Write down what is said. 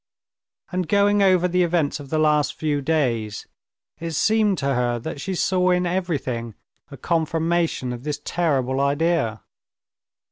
And going over the events of the last few days, it seemed to her that she saw in everything a confirmation of this terrible idea.